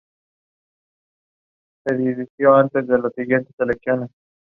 Jugó durante cuatro temporadas con los "Mountaineers" de la Universidad de Mount St.